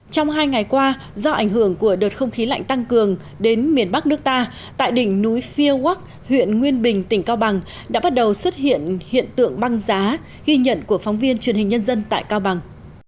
trong hai ngày qua do ảnh hưởng của đợt không khí lạnh tăng cường đến miền bắc nước ta tại đỉnh núi phía wag huyện nguyên bình tỉnh cao bằng đã bắt đầu xuất hiện hiện tượng băng giá ghi nhận của phóng viên truyền hình nhân dân tại cao bằng